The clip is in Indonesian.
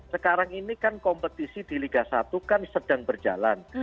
sekarang ini kan kompetisi di liga satu kan sedang berjalan